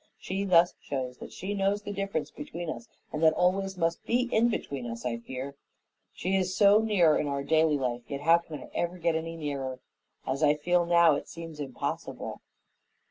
She thus shows that she knows the difference between us and that always must be between us, I fear. She is so near in our daily life, yet how can I ever get any nearer? As I feel now, it seems impossible."